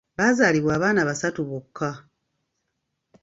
Baazaalibwa abaana basatu bokka.